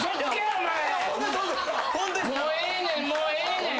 もうええねんもうええねん！